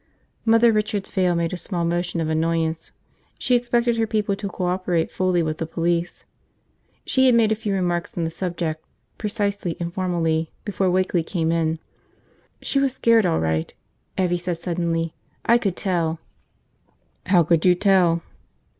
Mother Richard's veil made a small motion of annoyance. She expected her people to co operate fully with the police. She had made a few remarks on the subject, precisely and formally, before Wakeley came in. "She was scared, all right," Evvie said suddenly. "I could tell." "How could you tell?"